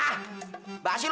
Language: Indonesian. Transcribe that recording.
ah bakasi lu